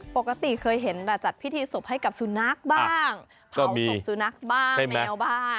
ปกติเคยเห็นแต่จัดพิธีศพให้กับสุนัขบ้างเผาศพสุนัขบ้างแมวบ้าง